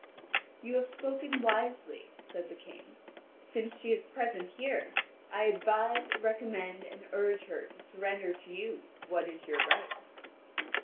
"You have spoken wisely," said the King; "since she is present here, I advise, recommend, and urge her to surrender to you what is your right."